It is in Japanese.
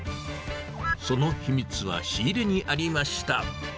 その秘密は仕入れにありました。